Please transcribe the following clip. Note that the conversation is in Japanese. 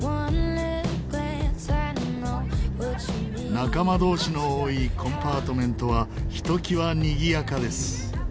仲間同士の多いコンパートメントはひときわにぎやかです。